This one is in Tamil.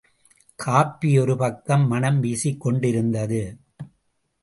காப்பி ஒரு பக்கம் மணம் வீசிக் கொண்டிருந்தது.